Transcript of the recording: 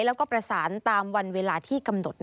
แล้วก็ประสานตามวันเวลาที่กำหนด